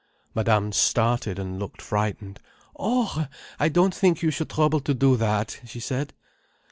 Madame started and looked frightened. "Oh, I don't think you should trouble to do that," she said.